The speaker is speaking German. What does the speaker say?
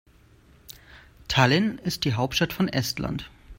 Tallinn ist die Hauptstadt von Estland.